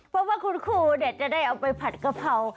เพราะว่าคุณครูจะได้เอาไปผัดกะเพรา